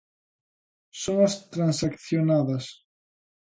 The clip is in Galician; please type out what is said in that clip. Son as transaccionadas.